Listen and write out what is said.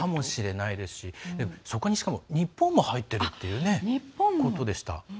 でも、そこに日本も入っているということでした。